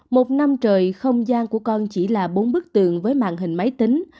một năm trời không gian của con chỉ là bốn bức tường với màn hình máy tính